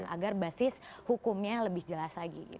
agar basis hukumnya lebih jelas lagi